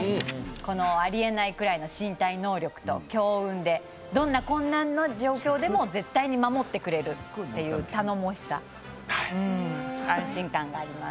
このありえないぐらいの身体能力と強運でどんな困難な状況でも絶対に守ってくれるという頼もしさ、安心感があります。